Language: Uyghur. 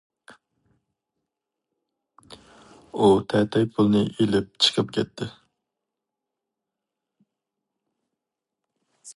ئۇ تەتەي پۇلنى ئېلىپ چىقىپ كەتتى.